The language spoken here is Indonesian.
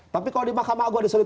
tapi kalau di makam agung ada seluruh